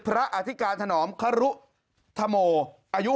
อาวาสมีการฝังมุกอาวาสมีการฝังมุกอาวาสมีการฝังมุก